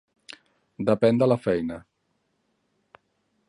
Depèn de la feina.